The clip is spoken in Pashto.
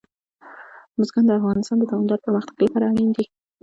بزګان د افغانستان د دوامداره پرمختګ لپاره اړین دي.